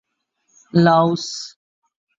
Laos